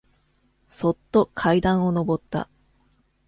そっと階段をのぼった。